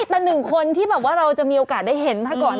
แต่หนึ่งคนที่แบบว่าเราจะมีโอกาสได้เห็นถ้าก่อน